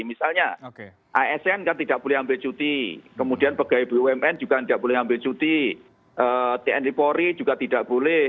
misalnya asn kan tidak boleh ambil cuti kemudian pegawai bumn juga tidak boleh ambil cuti tni polri juga tidak boleh